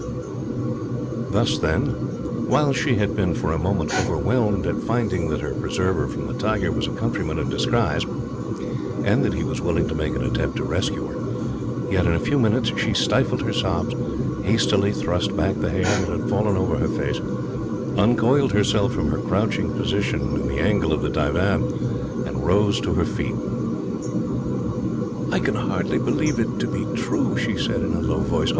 Thus, then, while she had been, for a moment, overwhelmed at finding that her preserver from the tiger was a countryman in disguise, and that he was willing to make an attempt to rescue her; yet in a few minutes she stifled her sobs, hastily thrust back the hair that had fallen over her face, uncoiled herself from her crouching position in the angle of the divan, and rose to her feet. "I can hardly believe it to be true," she said, in a low voice.